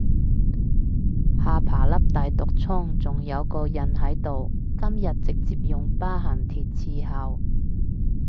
下巴粒大毒瘡仲有個印喺度，今日直接用疤痕貼侍候